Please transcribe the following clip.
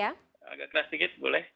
agak keras sikit boleh